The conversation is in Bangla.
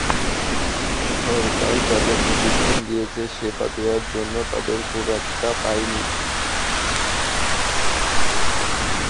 সরকার যাদের প্রশিক্ষণ দিয়েছে সেবা দেওয়ার জন্য তাদের খুব একটা পাইনি।